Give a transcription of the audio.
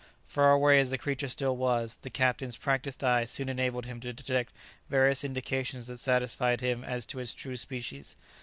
Far away as the creature still was, the captain's practised eye soon enabled him to detect various indications that satisfied him as to its true species.